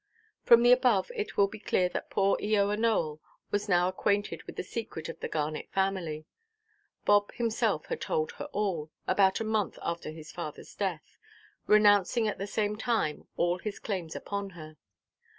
From the above it will be clear that poor Eoa Nowell was now acquainted with the secret of the Garnet family. Bob himself had told her all, about a month after his fatherʼs death, renouncing at the same time all his claims upon her.